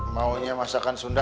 mau nya masakan sunda